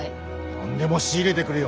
何でも仕入れてくるよ。